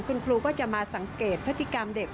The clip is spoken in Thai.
คุณครูก็จะมาสังเกตพฤติกรรมเด็ก